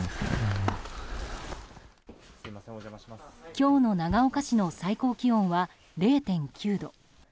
今日の長岡市の最高気温は０．９度。